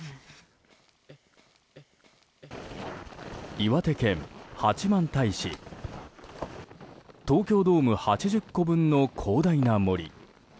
岩手県八幡平市東京ドーム８０個分の広大な森。